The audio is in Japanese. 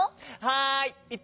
はい！